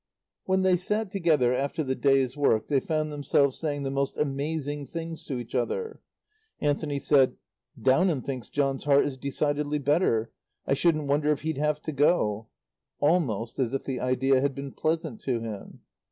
When they sat together after the day's work they found themselves saying the most amazing things to each other. Anthony said, "Downham thinks John's heart is decidedly better. I shouldn't wonder if he'd have to go." Almost as if the idea had been pleasant to him.